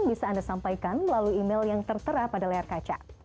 bisa anda sampaikan melalui email yang tertera pada layar kaca